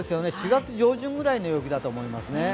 ４月上旬ぐらいの陽気だと思いますね。